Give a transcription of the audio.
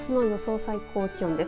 最高気温です。